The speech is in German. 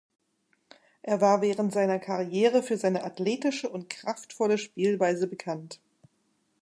Er war während seiner Karriere für seine athletische und kraftvolle Spielweise bekannt.